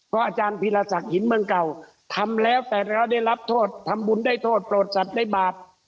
อาจารย์พีรศักดิ์หินเมืองเก่าทำแล้วแต่แล้วได้รับโทษทำบุญได้โทษโปรดสัตว์ได้บาป